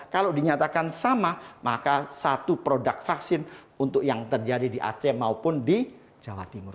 kalau dinyatakan sama maka satu produk vaksin untuk yang terjadi di aceh maupun di jawa timur